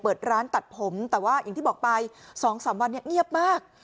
เปิดร้านตัดผมแต่ว่าอย่างที่บอกไป๒๓วันนี้เงียบมาก